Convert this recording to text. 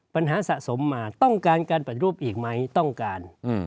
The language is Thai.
สะสมมาต้องการการปฏิรูปอีกไหมต้องการ